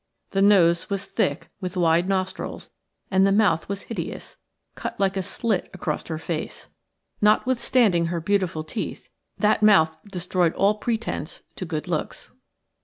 The nose was thick, with wide nostrils, and the mouth was hideous, cut like a slit across her face. Notwithstanding her beautiful teeth, that mouth destroyed all pretence to good looks.